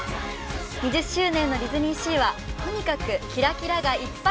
２０周年のディズニーシーはとにかくキラキラがいっぱい。